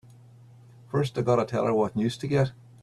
First I gotta tell her what news to get!